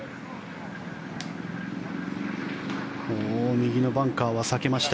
右のバンカーは避けました。